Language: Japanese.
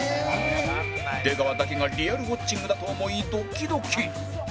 出川だけがリアルウォッチングだと思いドキドキ